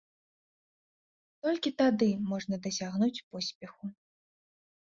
Толькі тады можна дасягнуць поспеху.